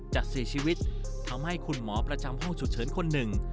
จะเสียชีวิตทำให้คุณหมอประจำห้องฉุกเฉินคนหนึ่ง